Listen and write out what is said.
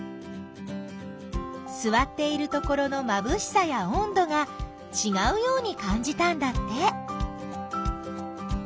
すわっているところのまぶしさやおんどがちがうようにかんじたんだって。